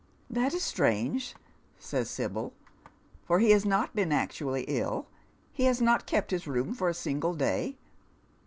" That is strange," says Sibyl, " for he has not been actually ill. He has not kept his room for a single day."